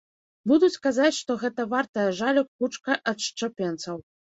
Будуць казаць, што гэта вартая жалю кучка адшчапенцаў.